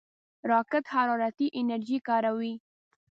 راکټ حرارتي انرژي کاروي